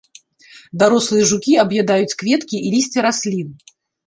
Дарослыя жукі аб'ядаюць кветкі і лісце раслін.